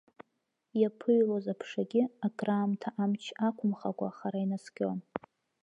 Иаԥыҩлоз аԥшагьы, акраамҭа амч ақәымхакәа хара инаскьон.